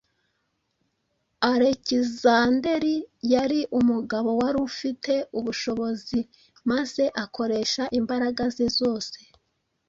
Alekizanderi yari umugabo wari ufite ubushobozi maze akoresha imbaraga ze zose